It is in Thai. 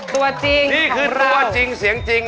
ตัวจริงนี่คือตัวจริงเสียงจริง